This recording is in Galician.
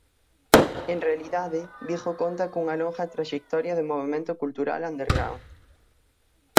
En realidade, Vigo conta cunha longa traxectoria de movemento cultural underground.